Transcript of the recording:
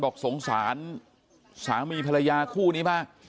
บอกสงสารสามีภรรยาคู่นี้มาก